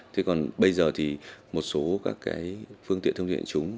thế còn bây giờ thì một số các cái phương tiện thông tin nhận chúng